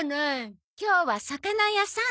今日は魚屋さん。